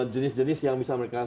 jenis jenis yang bisa mereka